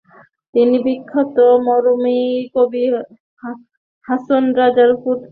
তিনি বিখ্যাত মরমী কবি হাছন রাজার পুত্র।